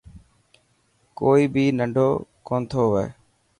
ڪوئي بهي ننڊو ڪونٿو هئي.